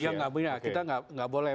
ya kita tidak boleh